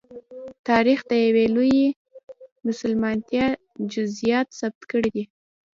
تاریخ د یوې لویې مېلمستیا جزییات ثبت کړي دي.